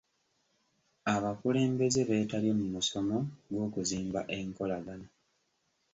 Abakulembeze beetabye mu musomo gw'okuzimba enkolagana.